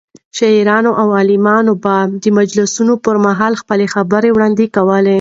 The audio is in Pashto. شاعران او علما به د مجلسونو پر مهال خپلې خبرې وړاندې کولې.